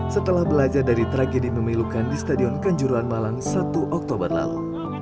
setelah belajar dari tragedi memilukan di stadion kanjuruan malang satu oktober lalu